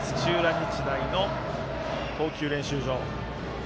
日大の投球練習場。